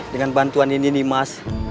dengan bantuan ini nih mas